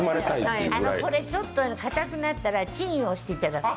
これ、ちょっと固くなったらチンをしていただく。